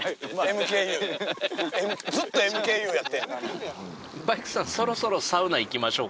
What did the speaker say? ずっとＭＫＵやってん。